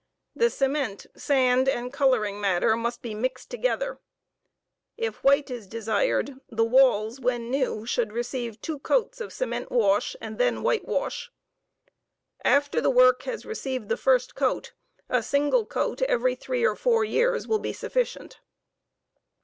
The cement, sand, and coloring matter must be mixed together. If white is desired, the walls, when new, should receive two coats of cement wash, and then whitewash. After the work has received the first coat, a single coat every three or four years will be sufficient.